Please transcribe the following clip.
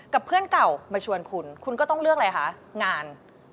เพื่อนเก่ามาชวนคุณคุณก็ต้องเลือกอะไรคะงาน